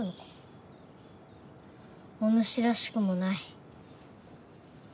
おぬしらしくもない。